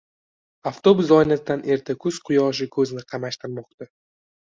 Avtobus oynasidan erta kuz quyoshi ko`zni qamashtirmoqda